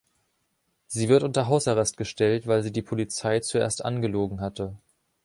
Sie wird unter Hausarrest gestellt, weil sie die Polizei zuerst angelogen hatte.